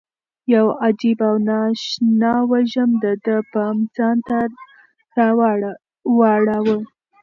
یو عجیب او نا اشنا وږم د ده پام ځان ته واړاوه.